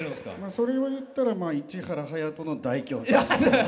それを言ったら市原隼人の大胸筋。